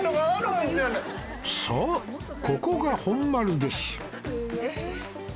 そうここが本丸です